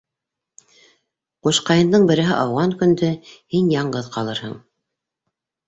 - Ҡушҡайындың береһе ауған көндө һин яңғыҙ ҡалырһың.